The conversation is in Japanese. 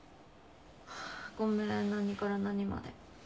ごめん何から何まで。